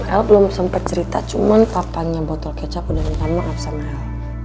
el belum sempet cerita cuman papanya botol kecap udah minta maaf sama el